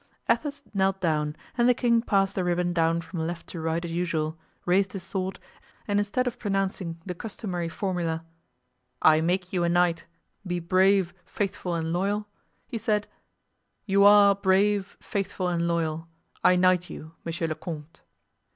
Athos knelt down and the king passed the ribbon down from left to right as usual, raised his sword, and instead of pronouncing the customary formula, "I make you a knight. Be brave, faithful and loyal," he said, "You are brave, faithful and loyal. I knight you, monsieur le comte."